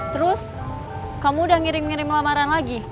terus kamu udah ngirim ngirim lamaran lagi